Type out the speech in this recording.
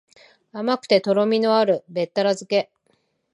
甘くてとろみのあるべったら漬け